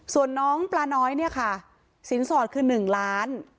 ส่วนน้องปลาน้อยเนี่ยค่ะสินสอดคือ๑ล้าน